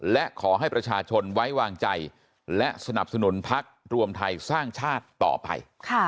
และขอให้ประชาชนไว้วางใจและสนับสนุนพักรวมไทยสร้างชาติต่อไป